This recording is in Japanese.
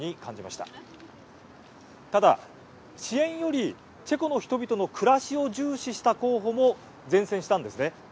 ただ、支援よりチェコの人々の暮らしを重視した候補も善戦したんですね。